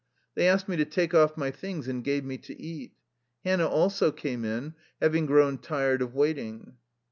They asked me to take off my things, and gave me to eat. Hannah also came in, having grown tired of waiting.